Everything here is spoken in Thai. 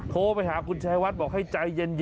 โทรไปหาคุณชายวัดบอกให้ใจเย็น